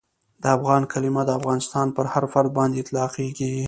د افغان کلیمه د افغانستان پر هر فرد باندي اطلاقیږي.